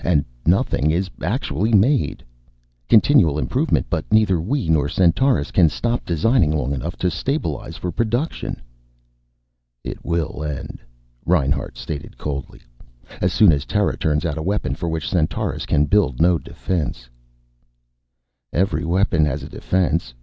And nothing is actually made! Continual improvement, but neither we nor Centaurus can stop designing long enough to stabilize for production." "It will end," Reinhart stated coldly, "as soon as Terra turns out a weapon for which Centaurus can build no defense." "Every weapon has a defense.